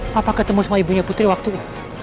papa ketemu sama ibunya putri waktunya